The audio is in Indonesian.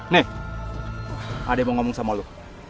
nih ada yang mau ngomong sama lo